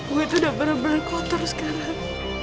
gue tuh udah bener bener kotor sekarang